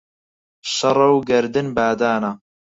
شەڕە و گەردن بادانە